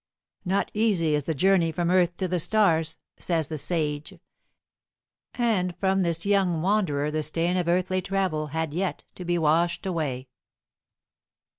"Not easy is the journey from earth to the stars," says the sage; and from this young wanderer the stain of earthly travel had yet to be washed away.